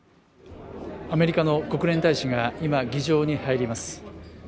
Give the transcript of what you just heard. アメリカの国連大使が今議場に入ります